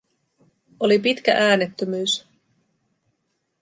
Oli pitkä äänettömyys.